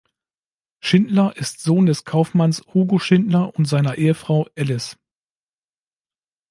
Schindler ist Sohn des Kaufmanns Hugo Schindler und seiner Ehefrau Alice.